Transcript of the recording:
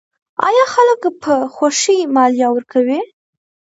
آیا خلک په خوښۍ مالیه ورکوي؟